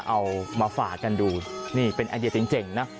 เอามาฝากันดูนี่เป็นอันดีตเจ๋งนะ